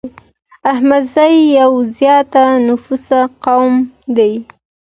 احمدزي يو زيات نفوسه قوم دی